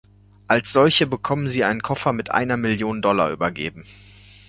Als solche bekommen sie einen Koffer mit einer Million Dollar übergeben.